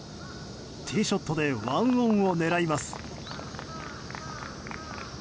ティーショットで１オンを狙います。